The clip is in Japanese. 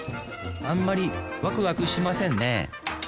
あんまりワクワクしませんね